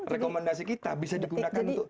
rekomendasi kita bisa digunakan untuk